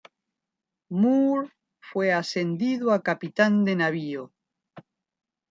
Moore fue ascendido a capitán de navío.